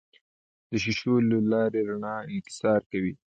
د شیشو له لارې رڼا انکسار کوي.